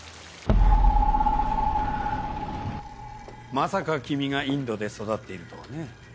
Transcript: まさか君がインドで育っているとはね。